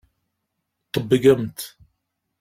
Ṭebbgemt!